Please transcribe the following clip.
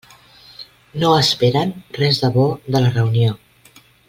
No esperen res de bo de la reunió.